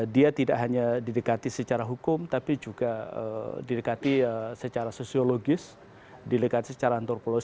dia tidak hanya didekati secara hukum tapi juga didekati secara sosiologis didekati secara antropologi